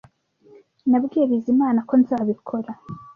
Nabwiye Bizimana ko nzabikora.